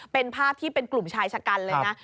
เป็นภาพที่เป็นกลุ่มชายชะกันเลยนะ